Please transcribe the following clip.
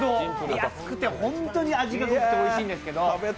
安くて本当に味が濃くておいしいんですけど。